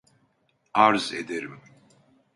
Arz ederim.